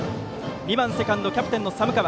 ２番、セカンドキャプテンの寒川。